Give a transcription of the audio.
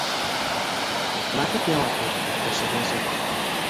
Баҫып яуап бир, иптәш Ирназаров!